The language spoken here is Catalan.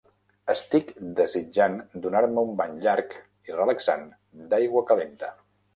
Estic desitjant donar-me un bany llarg i relaxant d'aigua calenta.